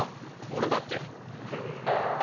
俺だって。